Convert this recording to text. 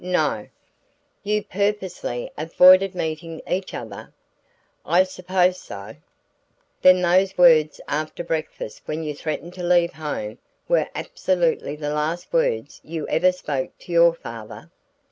"No." "You purposely avoided meeting each other?" "I suppose so." "Then those words after breakfast when you threatened to leave home were absolutely the last words you ever spoke to your father?"